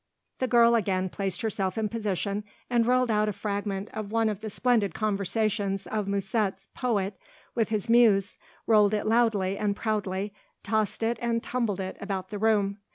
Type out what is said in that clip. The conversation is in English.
The girl again placed herself in position and rolled out a fragment of one of the splendid conversations of Musset's poet with his muse rolled it loudly and proudly, tossed it and tumbled it about the room.